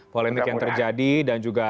polemik yang terjadi dan juga